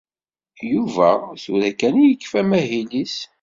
Yuba tura kan i yekfa amahil-is.